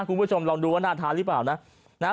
คุณผู้ชมลองดูว่าน่าทานหรือเปล่านะ